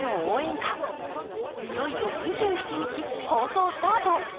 いよいよ２７日放送スタート。